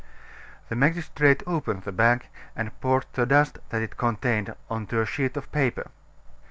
The magistrate opened the bag, and poured the dust that it contained on to a sheet of paper.